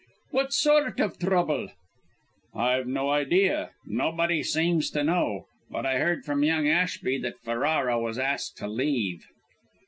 "What sort of trouble?" "I've no idea. Nobody seems to know. But I heard from young Ashby that Ferrara was asked to leave."